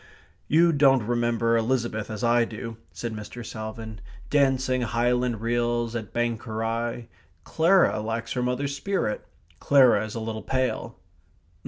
"You don't remember Elizabeth as I do," said Mr. Salvin, "dancing Highland reels at Banchorie. Clara lacks her mother's spirit. Clara is a little pale."